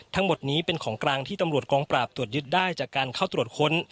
ทั้งหมดนี้เป็นของกลางที่ตำรวจกองปราบตรวจยึดได้จากการเข้าตรวจค้น